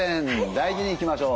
大事にいきましょう。